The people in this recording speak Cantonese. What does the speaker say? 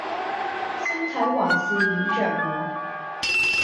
身體還是椅著我